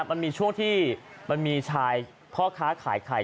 มันมีช่วงที่มันมีชายพ่อค้าขายไข่